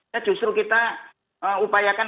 ya justru kita upayakan